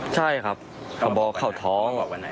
ใช่ครับเขาบอกเขาท้อง